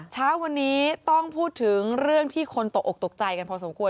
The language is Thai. เช้าวันนี้ต้องพูดถึงเรื่องที่คนตกออกตกใจกันพอสมควร